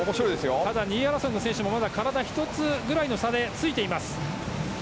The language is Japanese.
ただ、２位争いの選手もまだ体１つぐらいの差でついています。